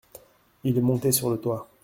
Il est monté sur le toit.